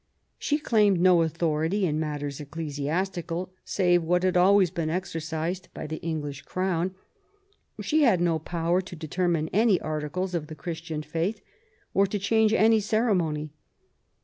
She claimed no authority in matters ecclesiastical, save what had always THE EXCOMMUNICATION OF ELIZABETH. 135 been exercised by the English Crown. She had no power to determine any articles of the Christian faith, or to change any ceremony.